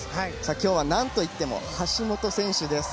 今日は何といっても橋本選手です。